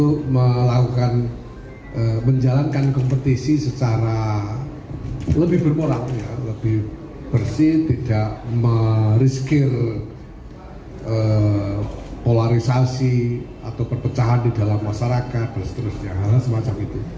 kepolarisasi atau perpecahan di dalam masyarakat dan seterusnya semacam itu